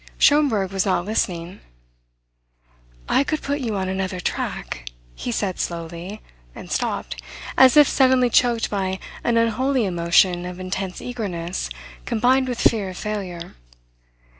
Schomberg was not listening. "I could put you on another track," he said slowly, and stopped, as if suddenly choked by an unholy emotion of intense eagerness combined with fear of failure.